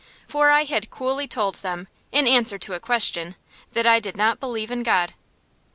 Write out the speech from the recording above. For I had coolly told them, in answer to a question, that I did not believe in God.